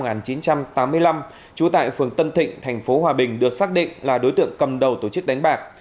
năm một nghìn chín trăm tám mươi năm chú tại phường tân thịnh tp hòa bình được xác định là đối tượng cầm đầu tổ chức đánh bạc